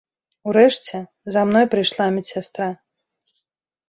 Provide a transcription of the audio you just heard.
Урэшце, за мной прыйшла медсястра.